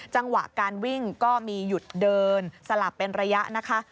จังหวะการวิ่งก็มีหยุดเดินสลับเป็นระยะนะคะ